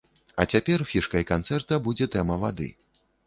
А цяпер фішкай канцэрта будзе тэма вады.